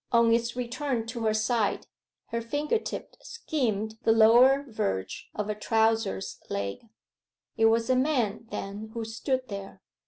On its return to her side, her finger tip skimmed the lower verge of a trousers leg. It was a man, then, who stood there.